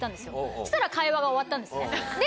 そしたら会話が終わったんですね。